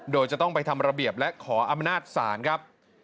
โดยจะต้องไปทำระเบียบและขออำนาจศาลครับ